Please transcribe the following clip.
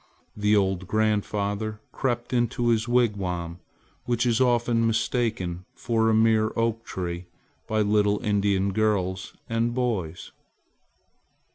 The old grandfather crept into his wigwam, which is often mistaken for a mere oak tree by little Indian girls and boys.